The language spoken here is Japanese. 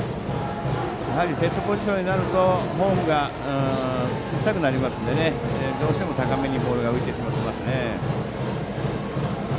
やはりセットポジションになるとフォームが小さくなりますからどうしても高めにボールが浮きますね。